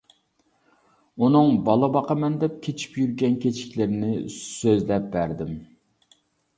ئۇنىڭ بالا باقىمەن دەپ كېچىپ يۈرگەن كىچىكلىرىنى سۆزلەپ بەردىم.